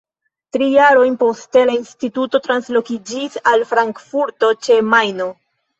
Tri jarojn poste la instituto translokiĝis al Frankfurto ĉe Majno.